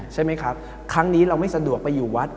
ใช่ไหมครับครั้งนี้เราไม่สะดวกไปอยู่วัด